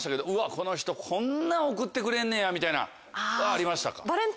この人こんなん贈ってくれんねやみたいなありましたか？